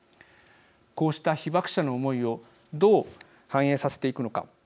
こうした被爆者の思いをどう反映させていくのか。